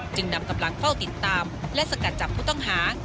นำกำลังเฝ้าติดตามและสกัดจับผู้ต้องหา